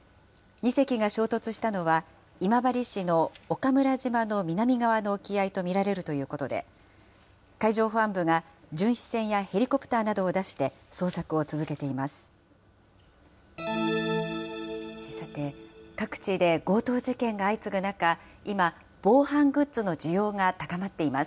２隻が衝突したのは、今治市の岡村島の南側の沖合と見られるということで、海上保安部が巡視船やヘリコプターなどを出して捜索を続けています。